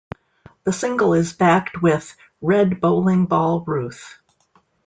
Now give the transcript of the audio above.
The single is backed with "Red Bowling Ball Ruth".